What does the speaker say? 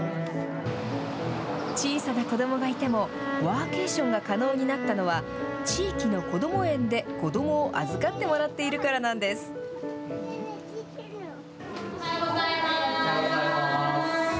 小さな子どもがいても、ワーケーションが可能になったのは、地域のこども園で子どもを預おはようございます。